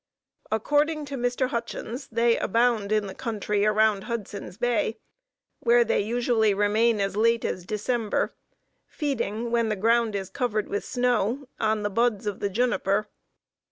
According to Mr. Hutchins, they abound in the country around Hudson's Bay, where they usually remain as late as December, feeding, when the ground is covered with snow, on the buds of the juniper.